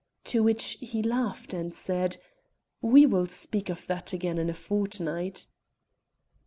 To which he laughed and said: "We will speak of that again in a fortnight."